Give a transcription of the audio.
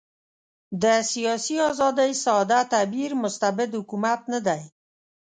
د سیاسي آزادۍ ساده تعبیر مستبد حکومت نه دی.